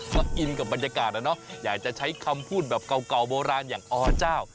ก็อินกับบรรยากาศนะเนาะอยากจะใช้คำพูดแบบเก่าโบราณอย่างอเจ้า